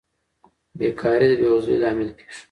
بېکاري د بې وزلۍ لامل کیږي.